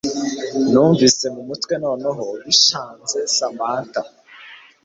Numvise mu mutwe noneho binshanze Samantha